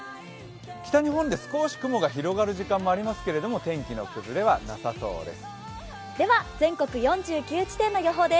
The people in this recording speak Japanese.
北日本で少し雲が広がる時間がありますけど天気の崩れはなさそうです。